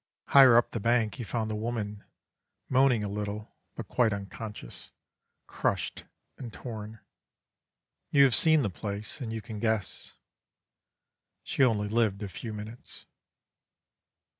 Higher up the bank he found the woman, moaning a little, but quite unconscious, crushed and torn, you have seen the place and you can guess. She only lived a few minutes.